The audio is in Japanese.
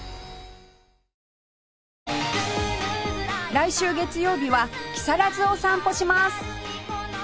来週月曜日は木更津を散歩します